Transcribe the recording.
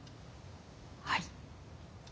はい。